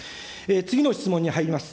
次の質問に入ります。